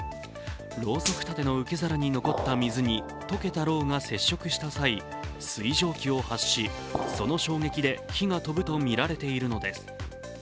ろうそく立ての受け皿に残った水に溶けたろうが接触した際、水蒸気を発し、その衝撃で火が飛ぶとみられているのです。